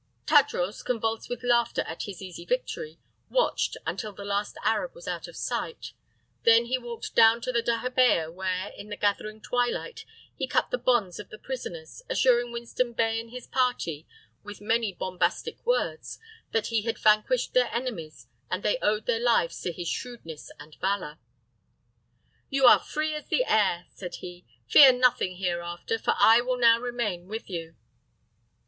Tadros, convulsed with laughter at his easy victory, watched until the last Arab was out of sight. Then he walked down to the dahabeah, where, in the gathering twilight, he cut the bonds of the prisoners, assuring Winston Bey and his party, with many bombastic words, that he had vanquished their enemies and they owed their lives to his shrewdness and valor. "You are free as the air," said he. "Fear nothing hereafter, for I will now remain with you."